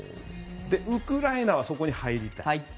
ウクライナはそこに入りたい。